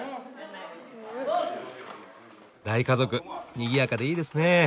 大家族にぎやかでいいですね。